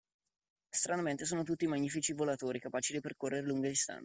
Stranamente sono tutti magnifici volatori, capaci di percorrere lunghe distanze.